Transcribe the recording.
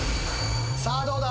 さあどうだ？